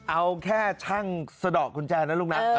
เอาแค่ช่างสะดอกกุญแจนะลูกนะ